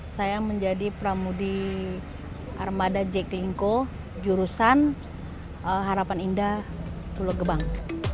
saya menjadi pramudi armada jaklingko jurusan harapan indah pulau gebang